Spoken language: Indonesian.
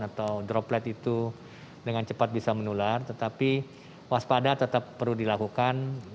atau droplet itu dengan cepat bisa menular tetapi waspada tetap perlu dilakukan